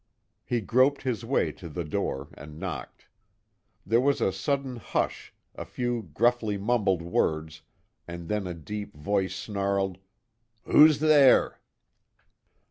He groped his way to the door and knocked. There was a sudden hush, a few gruffly mumbled words, and then a deep voice snarled: "Who's there?"